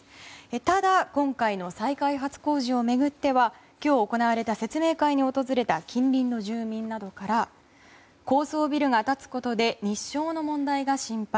ただ、今回の再開発工事を巡っては今日、行われた説明会に訪れた近隣の住民などから高層ビルが建つことで日照の問題が心配。